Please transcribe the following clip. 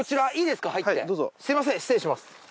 すみません失礼します。